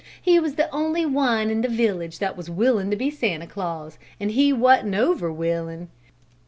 He was the only one in the village that was willin' to be Santa Claus an' he wa'n't over willin'.